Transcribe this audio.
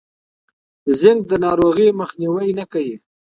زینک د ناروغۍ مخنیوی نه کوي.